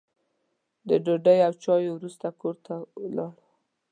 د ډوډۍ او چایو وروسته کور ته ولاړ.